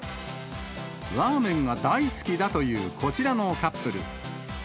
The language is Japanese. ラーメンが大好きだというこちらのカップル。